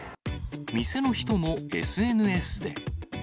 店の人もＳＮＳで。